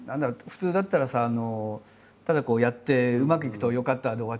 普通だったらさただこうやってうまくいくと「よかった」で終わっちゃうじゃない？